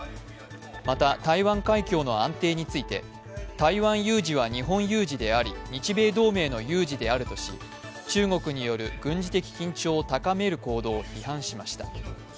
また台湾海峡の安定について台湾有事は日本有事であり、日米同盟の有事であるとし、中国による軍事的緊張を高める行動を批判しました。